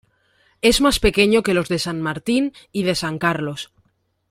Es más pequeño que los de San Martín y de San Carlos.